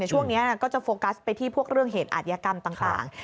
ช่วงนี้ก็จะโฟกัสไปที่พวกเรื่องเหตุอาธิกรรมต่าง